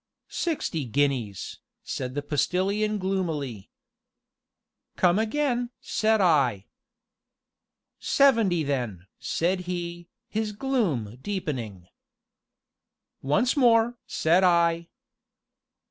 "Sixty guineas!" said the Postilion gloomily. "Come again!" said I. "Seventy then!" said he, his gloom deepening. "Once more!" said I.